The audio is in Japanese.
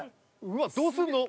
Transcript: うわっどうすんの。